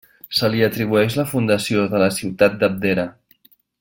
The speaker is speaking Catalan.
Se li atribueix la fundació de la ciutat d'Abdera.